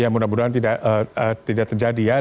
ya mudah mudahan tidak terjadi ya